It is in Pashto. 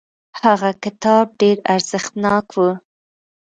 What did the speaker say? هغه کتاب ډیر ارزښتناک و.